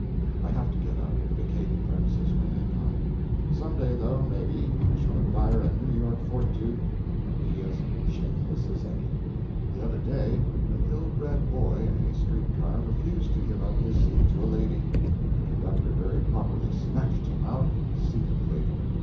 I have to get up and vacate the premises when they come. Someday, though, maybe, I shall acquire a New York fortitude and be as shameless as any. The other day an ill bred boy in a street car refused to give up his seat to a lady. The conductor very properly snatched him out and seated the lady.